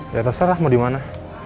ya terserah mau dimana